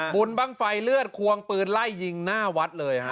บุญบ้างไฟเลือดควงปืนไล่ยิงหน้าวัดเลยฮะ